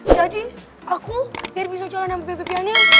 jadi aku biar bisa jalan sama bebe pianian